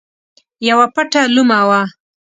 یوه پټه لومه وه.